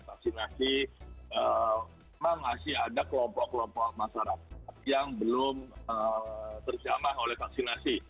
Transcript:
vaksinasi memang masih ada kelompok kelompok masyarakat yang belum terjamah oleh vaksinasi